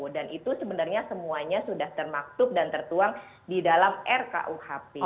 dan itu sebenarnya semuanya sudah termaktub dan tertuang di dalam rkuhp